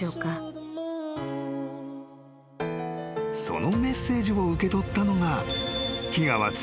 ［そのメッセージを受け取ったのが］